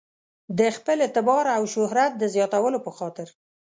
د خپل اعتبار او شهرت د زیاتولو په خاطر.